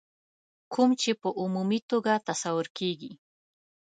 کوم چې په عمومي توګه تصور کېږي.